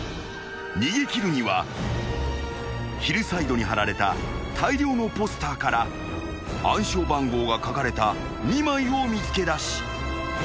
［逃げ切るにはヒルサイドに張られた大量のポスターから暗証番号が書かれた２枚を見つけだし